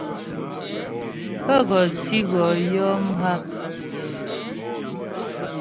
Pə́ gɔ tǐ wɔ yɔ mghak.